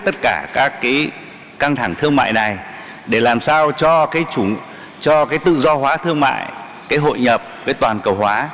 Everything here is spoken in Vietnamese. những căng thẳng thương mại nêu trên sao cho quá trình tự do hóa thương mại hội nhập và toàn cầu hóa